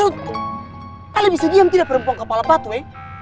kalian bisa diam tidak perempuan kepala patuh eh